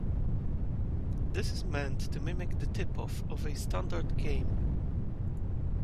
This is meant to mimic the "tip-off" of a standard game.